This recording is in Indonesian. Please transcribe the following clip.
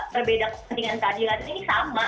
berbeda kepentingan keadilan ini sama